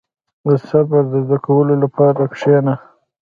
• د صبر د زده کولو لپاره کښېنه.